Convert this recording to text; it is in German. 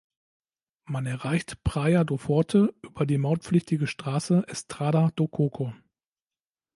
Man erreicht Praia do Forte über die mautpflichtige Straße Estrada do Coco.